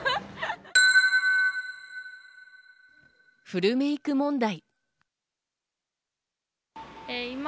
フルメイク問題。